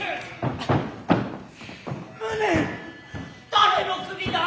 誰の首だ。